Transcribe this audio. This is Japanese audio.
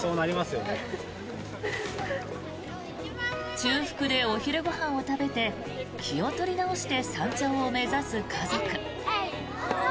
中腹でお昼ご飯を食べて気を取り直して山頂を目指す家族。